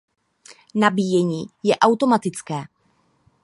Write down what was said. Nabíjení je automatické.